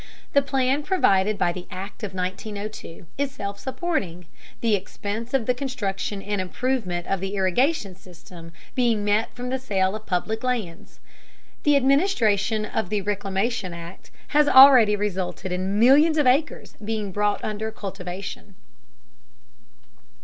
The plan provided by the Act of 1902 is self supporting, the expense of the construction and improvement of the irrigation system being met from the sale of public lands. The administration of the Reclamation Act has already resulted in millions of acres being brought under cultivation.